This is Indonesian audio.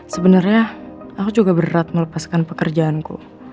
sebenarnya aku juga berat melepaskan pekerjaanku